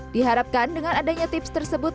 diharapkan dengan adanya tips tersebut